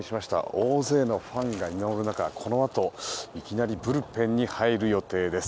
大勢のファンが見守る中このあと、いきなりブルペンに入る予定です。